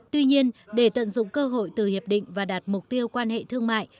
tuy nhiên để tận dụng cơ hội từ hiệp định và đạt mục tiêu quan hệ thương mại